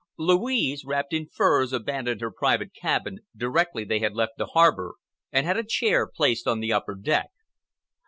Louise, wrapped in furs, abandoned her private cabin directly they had left the harbor, and had a chair placed on the upper deck.